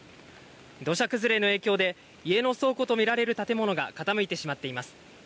土砂崩れの影響で家の倉庫とみられる建物が傾いてしまっています。